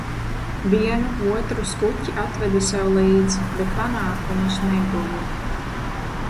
"Vienu otru skuķi atvedu sev līdz, bet "panākumus" neguvu."